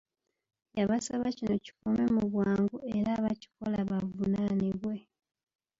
Yabasaba kino kikome mu bwangu era abakikola bavunaanibwe.